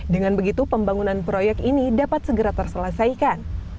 dengan begitu pembangunan proyek ini dapat segera terselesaikan